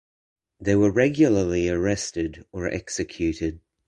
They were regularly arrested or executed.